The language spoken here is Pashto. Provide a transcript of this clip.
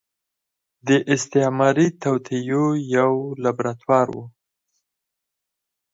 د استعماري توطيو يو لابراتوار و.